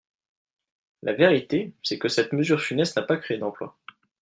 La vérité, c’est que cette mesure funeste n’a pas créé d’emplois.